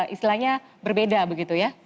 istilahnya berbeda begitu ya